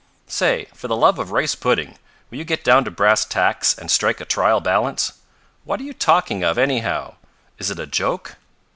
"Say, for the love of rice pudding! will you get down to brass tacks and strike a trial balance? What are you talking of, anyhow? Is it a joke?"